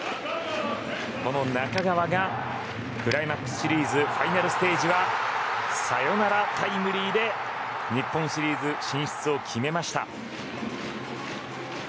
この中川がクライマックスシリーズファイナルステージはサヨナラタイムリーで日本シリーズ進出を決めました。